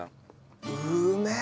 うめえ！